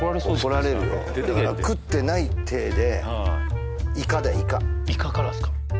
怒られるよだから食ってない体ではいイカだよイカイカからですか？